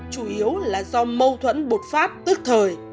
chủ yếu là do mâu thuẫn bột phát tức thời